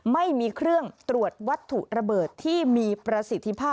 ไม่มีเครื่องตรวจวัตถุระเบิดที่มีประสิทธิภาพ